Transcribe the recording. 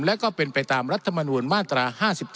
และก็เป็นไปตามรัฐมนูลมาตรา๕๗